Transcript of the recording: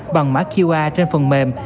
bằng mã qr trên phần mềm